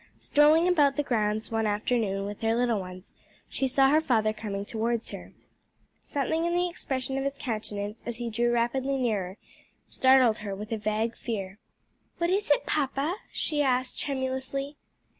Strolling about the grounds one afternoon with her little ones, she saw her father coming towards her. Something in the expression of his countenance as he drew rapidly nearer startled her with a vague fear. "What is it, papa?" she asked tremulously.